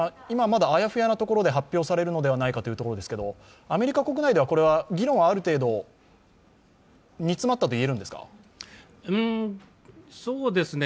まだあやふやなところで発表されるのではないかというところですけれども、アメリカ国内ではこれは議論はある程度、煮詰まったといえるんですか？